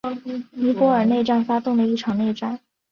尼泊尔内战发动的一场内战。